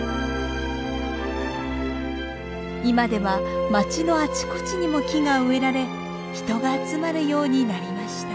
今では町のあちこちにも木が植えられ人が集まるようになりました。